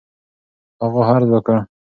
هغو عرض وكړ: